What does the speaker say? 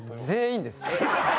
全員です。